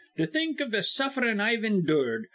To think iv th' suffrin' I've endured!